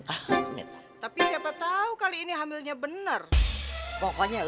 bagaimana kita pak kiri ini